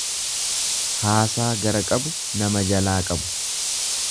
Haasaa gara qabu nama jalaa qabu.